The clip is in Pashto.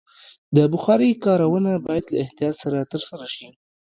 د بخارۍ کارونه باید له احتیاط سره ترسره شي.